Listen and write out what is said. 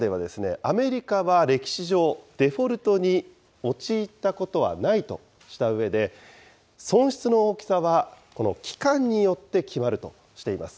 この中では、アメリカは歴史上、デフォルトに陥ったことはないとしたうえで、損失の大きさはこの期間によって決まるとしています。